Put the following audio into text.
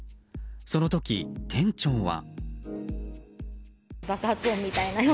その時、店長は。